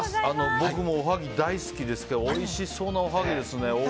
僕もおはぎ大好きですけどおいしそうなおはぎですね